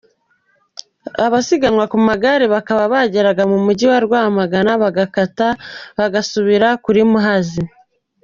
Abasiganwa ku magare bakaba bageraga mu mujyi wa Rwamagana bagakata bagasubira kuri Muhazi.